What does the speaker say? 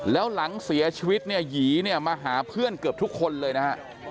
แล้วหลังเสียชีวิตเนี่ยหยีเนี่ยมาหาเพื่อนเกือบทุกคนเลยนะฮะ